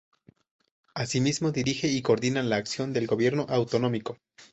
Asimismo, dirige y coordina la acción del Gobierno autonómico.